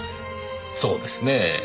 そうですねぇ。